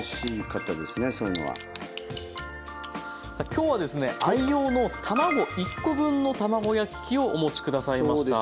今日はですね愛用の卵１コ分の卵焼き器をお持ち下さいました。